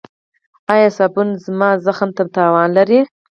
ایا صابون زما زخم ته تاوان لري؟